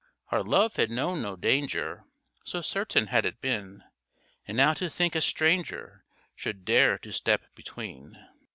Our love had known no danger, So certain had it been! And now to think a stranger Should dare to step between.